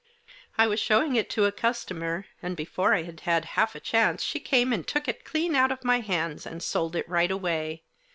I was showing it to a customer, and before I had had half a chance she came and took it clean out of my hands, and sold it right away.